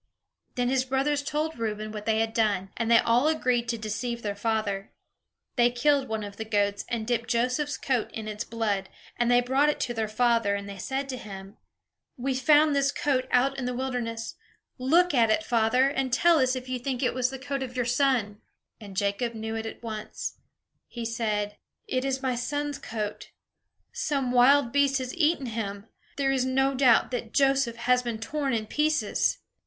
Then his brothers told Reuben what they had done; and they all agreed together to deceive their father. They killed one of the goats, and dipped Joseph's coat in its blood; and they brought it to their father, and they said to him: "We found this coat out in the wilderness. Look at it, father, and tell us if you think it was the coat of your son." [Illustration: For twenty pieces of silver they sold Joseph] And Jacob knew it at once. He said: "It is my son's coat. Some wild beast has eaten him. There is no doubt that Joseph has been torn in pieces!"